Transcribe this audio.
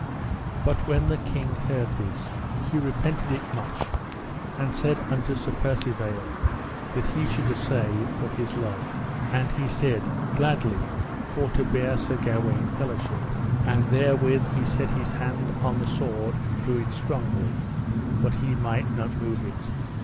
But when the king heard this he repented it much, and said unto Sir Percivale that he should assay, for his love. And he said: Gladly, for to bear Sir Gawaine fellowship. And therewith he set his hand on the sword and drew it strongly, but he might not move it.